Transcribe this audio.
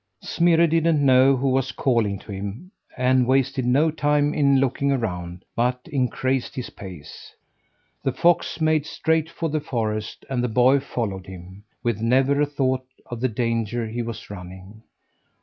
Smirre didn't know who was calling to him, and wasted no time in looking around, but increased his pace. The fox made straight for the forest and the boy followed him, with never a thought of the danger he was running.